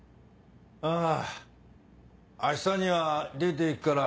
あああしたには出ていくから